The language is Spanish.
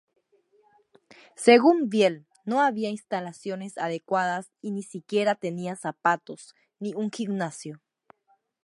Según Biel, no había instalaciones adecuadas y ni siquiera tenía zapatos ni un gimnasio.